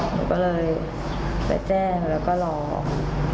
หนูก็เลยไปแจ้งแล้วก็ลอง